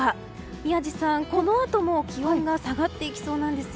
宮司さん、このあとも気温が下がっていきそうなんです。